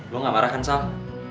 gue gak marah kan sal